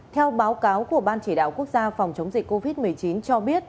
theo báo cáo của ban chỉ đạo quốc gia phòng chống dịch covid một mươi chín cho biết